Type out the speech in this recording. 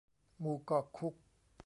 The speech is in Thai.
หมู่เกาะคุก